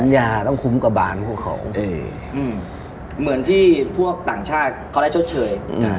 ยาต้องคุ้มกระบานพวกเขาเหมือนที่พวกต่างชาติเขาได้ชดเชย